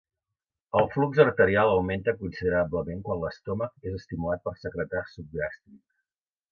El flux arterial augmenta considerablement quan l'estómac és estimulat per secretar suc gàstric.